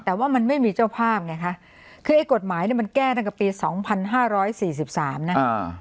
แต่ว่ามันไม่มีเจ้าภาพไงคะคือไอ้กฎหมายเนี่ยมันแก้ตั้งแต่ปีสองพันห้าร้อยสี่สิบสามนะ